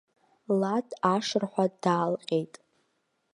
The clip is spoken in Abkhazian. Лад ашырҳәа даалҟьеит.